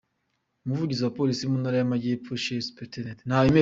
Umuvugizi wa polisi mu ntara y’ Amajyepfo Chief Supt.